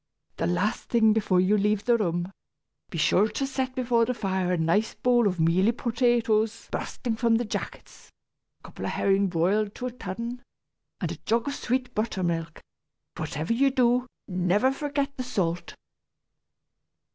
The last thing before you leave the room, be sure to set before the fire a nice bowl of mealy potatoes bursting from their jackets, a couple of herrings broiled to a turn, and a jug of sweet buttermilk and, whatever you do, never forget the salt!"